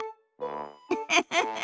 ウフフフ。